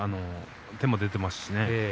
手も出ていますしね。